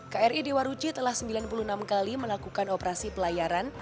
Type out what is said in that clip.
kri dewa ruci telah sembilan puluh enam kali melakukan operasi pelayaran